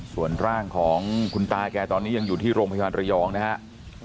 ส่วนร่างของคุณตาแกตอนนี้ยังอยู่ที่โรงพยาบาลระยองนะครับ